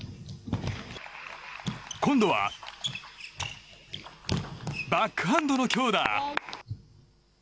今度はバックハンドの強打。